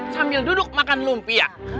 sambil duduk makan lumpia